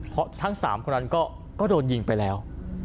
เพราะทั้ง๓คนนั้นก็โดนยิงไปแล้ว